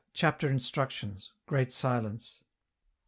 Chapter Instructions. Great Silence.